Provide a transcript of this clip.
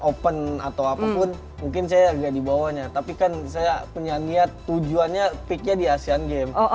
open atau apapun mungkin saya agak dibawanya tapi kan saya punya niat tujuannya peaknya di asean games